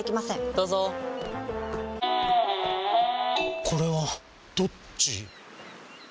どうぞこれはどっち？